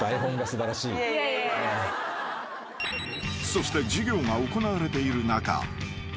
［そして授業が行われている中］